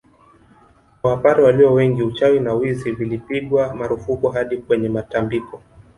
Kwa wapare walio wengi uchawi na wizi vilipigwa marufuku hadi kwenye matambiko